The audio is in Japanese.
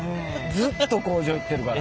ずっと工場行ってるから。